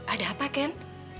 ada apa ken